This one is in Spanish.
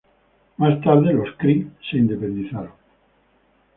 Más tarde, los Kree se independizaron.